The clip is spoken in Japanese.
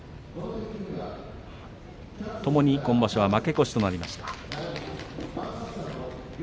ともに今場所は負け越しとなりました。